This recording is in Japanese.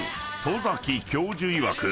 戸崎教授いわく